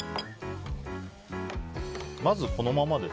まずこのままで。